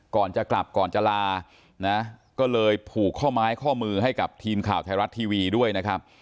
ก่อนจะกลับก่อนจะลานะก็เลยผูกข้อไม้ข้อมือให้กับทีมข่าวไทยรัฐทีวีด้วยนะครับ